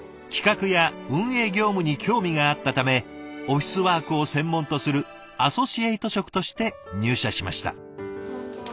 企画や運営業務に興味があったためオフィスワークを専門とするアソシエイト職として入社しました。